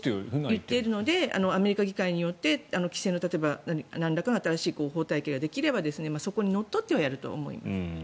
言っているのでアメリカ議会によって規制のなんらかの新しい法体系ができればそこにのっとってはやると思います。